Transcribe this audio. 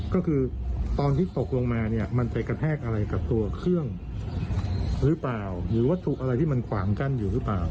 ก็คือตอนที่ตกลงมาเนี่ยมันไปกระแทกอะไรกับตัวเครื่องหรือเปล่าหรือวัตถุอะไรที่มันขวางกั้นอยู่หรือเปล่า